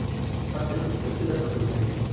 Ad as-tiniḍ tekteb fell-as lxedma-ayi.